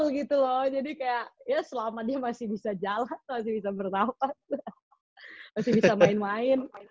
gitu loh jadi kayak ya selama dia masih bisa jalan masih bisa bertahan masih bisa main main